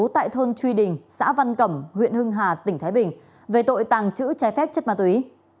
tại thôn truy đình xã văn cẩm huyện hưng hà tỉnh thái bình về tội tàng trữ trái phép chất ma túy